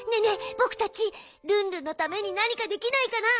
ぼくたちルンルンのためになにかできないかな？